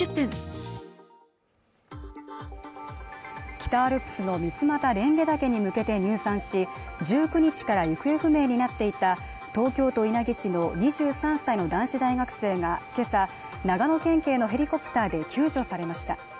北アルプスの三俣蓮華岳に向けて入山し１９日から行方不明になっていた東京都稲城市の２３歳の男子大学生が今朝長野県警のヘリコプターで救助されました